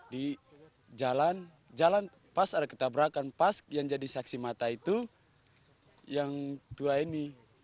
di jalan jalan pas ada ketabrakan pas yang jadi saksi mata itu yang tua ini